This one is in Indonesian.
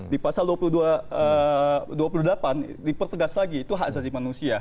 di pasal dua puluh delapan dipertegas lagi itu hak zasi manusia